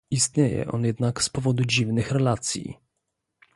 Istnieje on jednak z powodu dziwnych relacji